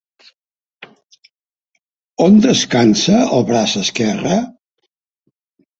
On descansa el braç esquerre?